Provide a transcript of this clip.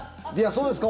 そうですか？